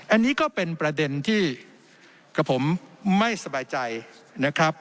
อันนี้ก็เป็นประเด็นที่กับผมไม่สบายใจนะครับ